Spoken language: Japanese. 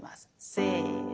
せの。